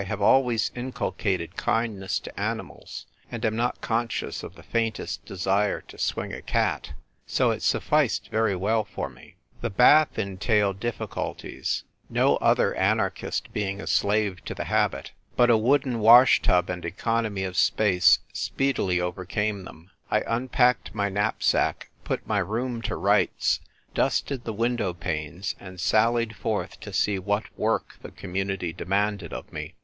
have always inculcated kindness to animals, and am not conscious of the faintest desire to swing a cat ; so it sufficed very well for me. The bath entailed difficulties, no other anar ^%^ THE INNIiK bKOTIIEKHUOl). 6$ chist being a slave to the liabit: but a wooden water tub and economy of space speedily over came tliem. I unpacked my knapsack, put my room to rights, dusted tlie window panes, and salhed forth to see what work the Community demanded oi me.